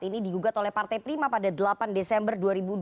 ini digugat oleh partai prima pada delapan desember dua ribu dua puluh